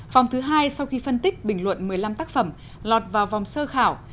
vòng thứ hai sau khi phân tích bình luận một mươi năm tác phẩm lọt vào vòng sơ khảo